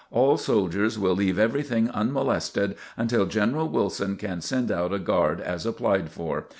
All soldiers will leave everything unmolested until General Wilson can send out a Guard as applied for.